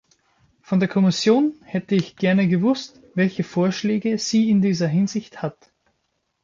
Von der Kommission hätte ich gern gewusst, welche Vorschläge sie in dieser Hinsicht hat.